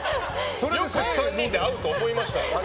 よく３人で合うと思いましたよ。